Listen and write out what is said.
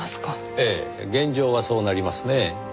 ええ現状はそうなりますねぇ。